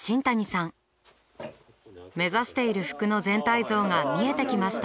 目指している服の全体像が見えてきました。